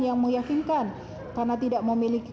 yang meyakinkan karena tidak memiliki